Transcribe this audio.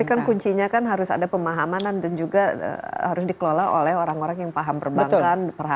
tapi kan kuncinya kan harus ada pemahamanan dan juga harus dikelola oleh orang orang yang paham perbankan